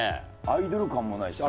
アイドル感もないし。